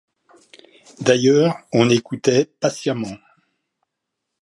D’ailleurs, on écoutait patiemment.